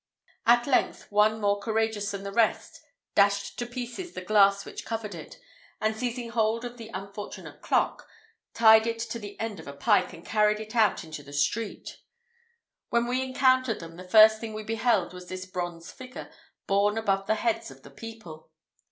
At length, one more courageous than the rest dashed to pieces the glass which covered it, and seizing hold of the unfortunate clock, tied it to the end of a pike, and carried it out into the street. When we encountered them, the first thing we beheld was this bronze figure, borne above the heads of the people.